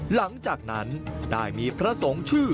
หลังจากนั้นได้พระพระที่ชื่อ